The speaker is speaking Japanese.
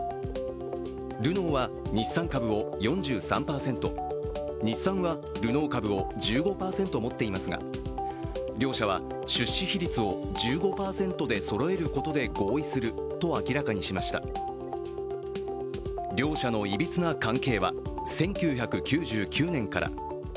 ルノーは日産株を４３％、日産はルノー株を１５％持っていますが、両社は出資比率を１５％でそろえることで合意すると明らかにしました。両者のいびつな関係は、１９９９年から。